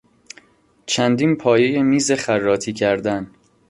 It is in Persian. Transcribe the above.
چندین پایهی میز خراطی کردن